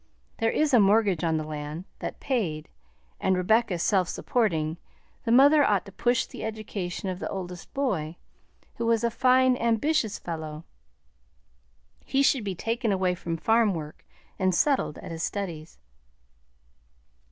There is a mortgage on the land; that paid, and Rebecca self supporting, the mother ought to push the education of the oldest boy, who is a fine, ambitious fellow. He should be taken away from farm work and settled at his studies."